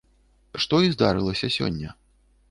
Што і здарылася сёння.